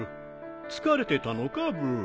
疲れてたのかブー。